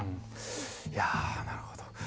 いやなるほど。